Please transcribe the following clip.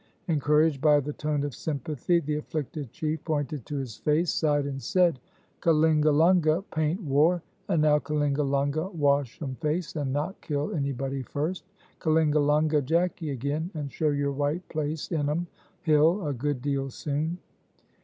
Encouraged by the tone of sympathy, the afflicted chief pointed to his face, sighed, and said: "Kalingalunga paint war, and now Kalingalunga wash um face and not kill anybody first. Kalingalunga Jacky again, and show your white place in um hill a good deal soon."